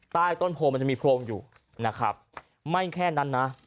ใต้ต้นโพลมันจะมีโพรงอยู่นะครับไม่แค่นั้นนะ